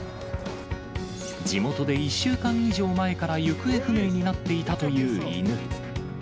地元で１週間以上前から行方不明になっていたという犬。